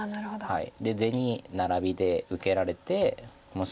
はい。